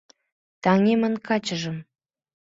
— Таҥемын качыжым!